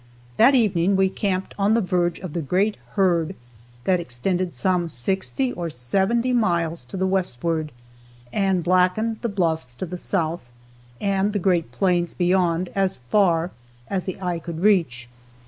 That evening we camped on the verge of the great herd that extended some sixty or seventy miles to the westward, and blackened the bluffs to the south, and the great plains beyond as far as the eye could reach.